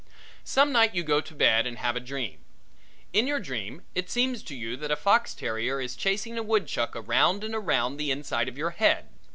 Some night you go to bed and have a dream. In your dream it seems to you that a fox terrier is chasing a woodchuck around and around the inside of your head.